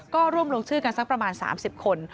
ก็ร่วมลงชื่อกันสักประมาณ๓๐คน